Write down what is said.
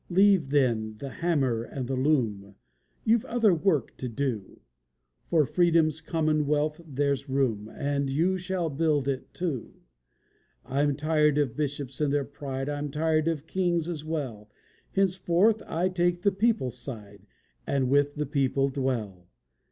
Leave, then, the hammer and the loom, You've other work to do; For Freedom's commonwealth there's room, And you shall build it too. I'm tired of bishops and their pride, I'm tired of kings as well; Henceforth I take the people's side, And with the people dwell.